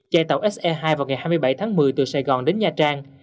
chạy tàu se hai vào ngày hai mươi bảy tháng một mươi từ sài gòn đến nha trang